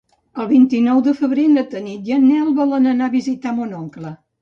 El vint-i-nou de febrer na Tanit i en Nel volen anar a visitar mon oncle.